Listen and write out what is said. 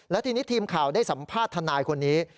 และทีนี้ทีมข่าวได้สัมภาษณ์ทนายคนนี้